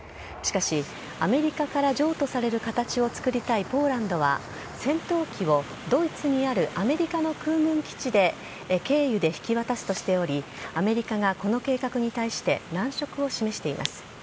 しかし、アメリカから譲渡される形を作りたいポーランドは、戦闘機をドイツにあるアメリカの空軍基地経由で引き渡すとしており、アメリカがこの計画に対して難色を示しています。